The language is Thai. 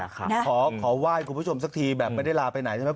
ขอไหว้คุณผู้ชมสักทีแบบไม่ได้ลาไปไหนใช่ไหม